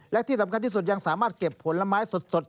และที่สำคัญที่สุดยังสามารถเก็บผลไม้สด